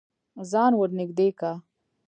ځان ور نږدې که.